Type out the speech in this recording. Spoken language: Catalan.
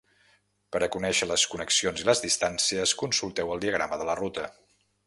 Per a conèixer les connexions i les distàncies, consulteu el diagrama de la ruta.